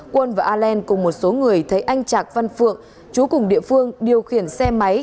quân và alen cùng một số người thấy anh trạc văn phượng chú cùng địa phương điều khiển xe máy